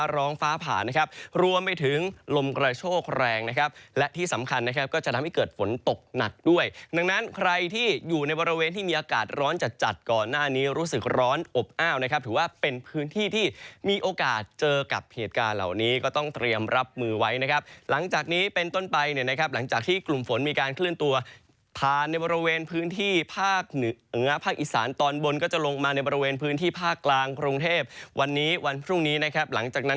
ร้องฟ้าผ่านนะครับรวมไปถึงลมกระโชคแรงนะครับและที่สำคัญนะครับก็จะทำให้เกิดฝนตกหนักด้วยดังนั้นใครที่อยู่ในบริเวณที่มีอากาศร้อนจัดจัดก่อนหน้านี้รู้สึกร้อนอบอ้าวนะครับถือว่าเป็นพื้นที่ที่มีโอกาสเจอกับเหตุการณ์เหล่านี้ก็ต้องเตรียมรับมือไว้นะครับหลังจากนี้เป็นต้นไปเนี่ยนะ